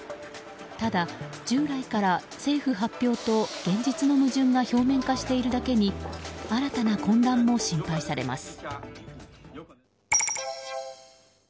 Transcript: ただ、従来から政府発表と現実の矛盾が表面化しているだけに新たな混乱も心配されます。